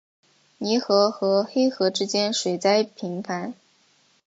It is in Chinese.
泥河和黑河之间水灾频繁。